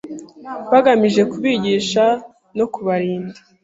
bagamije kubigisha no kubarinda,